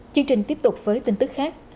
chương trình tiếp tục với tin tức khác